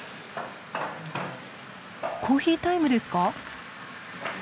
コーヒータイムですか？